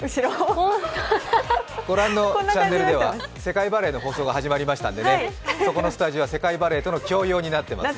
ご覧のチャンネルでは世界バレーの放送が始まりましたので、そこのスタジオは世界バレーとの共用になっています。